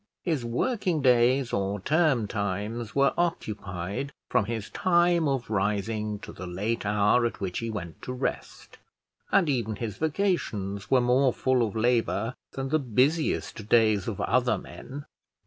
His working days or term times were occupied from his time of rising to the late hour at which he went to rest, and even his vacations were more full of labour than the busiest days of other men.